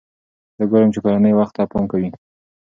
زه ګورم چې کورنۍ وخت ته پام کوي.